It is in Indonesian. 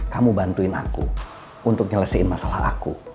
kamu bantuin aku untuk menyelesaikan masalah aku